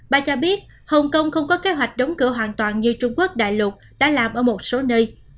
bà cho biết hồng kông không có kế hoạch đóng cửa hoàn toàn như trung quốc đại lục đã làm ở một số nơi